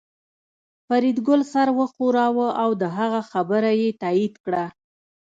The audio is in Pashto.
فریدګل سر وښوراوه او د هغه خبره یې تایید کړه